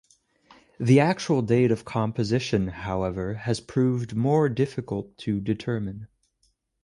The actual date of composition, however, has proved more difficult to determine.